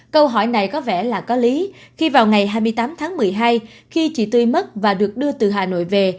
câu hỏi này có vẻ là có lý khi vào ngày hai mươi tám tháng một mươi hai khi chị tươi mất và được đưa từ hà nội về